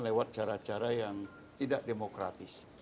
lewat cara cara yang tidak demokratis